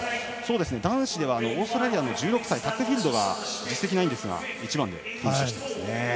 男子ではオーストラリアのタックフィールドが実績がないんですが１番でフィニッシュしました。